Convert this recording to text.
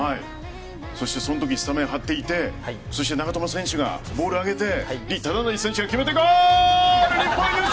そして、その時スタメンを張っていてそして長友選手がボールを上げて李忠成選手が決めてゴール！